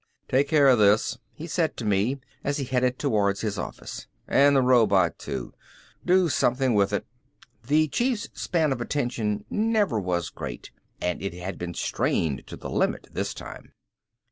"Take care of this," he said to me as he headed towards his office. "And the robot, too. Do something with it." The Chief's span of attention never was great and it had been strained to the limit this time.